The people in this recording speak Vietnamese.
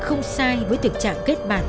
không sai với tình trạng kết bạc